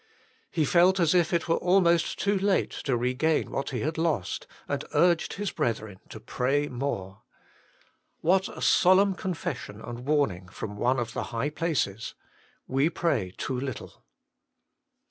He felt as if it were almost too late to regain what he had lost, and urged his brethren to pray more. What a solemn confession and warning from one of the high places : We pray too little